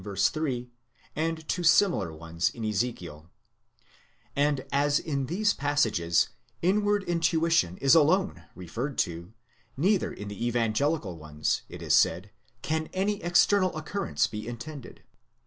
3, and to similar ones in Ezekiel ; and as in these passages inward intuition is alone referred to, neither in the evan gelical ones, it is said, can any external occurrence be intended.